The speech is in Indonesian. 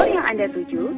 nomor yang anda tuju